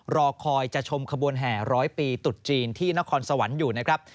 รอคอยจะชมขบวนแห่ร้อยปีตุดจีนที่นครสวรรค์อยู่นะครับ